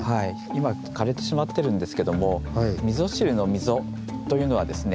今かれてしまってるんですけども海に注ぐ所ということですね。